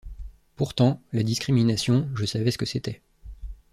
Pourtant, la discrimination, je savais ce que c'était.